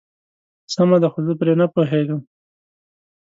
سمه ده خو زه پرې نه پوهيږم.